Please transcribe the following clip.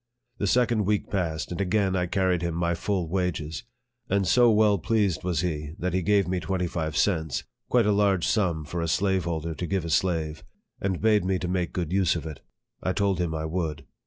The second week passed, and again I carried him my full wages; and so well pleased was he, that he gave me twenty five cents, (quite a large sum for a slaveholder to give a slave,) and bade me to make a good use of it. I told him I would.